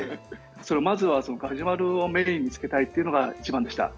まずはガジュマルをメインにつけたいっていうのが一番でした。